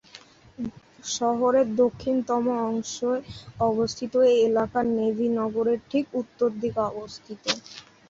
শহরের দক্ষিণতম অংশে অবস্থিত এই এলাকা নেভি নগরের ঠিক উত্তর দিকে অবস্থিত।